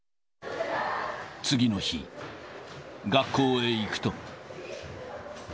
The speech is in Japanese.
次の日、学校へ行くと。